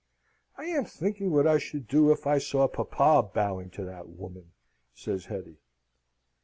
"I am thinking what I should do if I saw papa bowing to that woman," says Hetty.